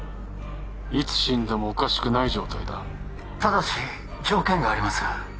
いつ死んでもおかしくない状態だただし条件があります